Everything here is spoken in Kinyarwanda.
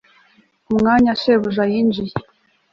umwanya shebuja yinjiye